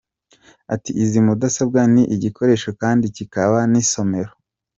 Ati” Izi mudasobwa ni igikoresho kandi kikaba n’isomero.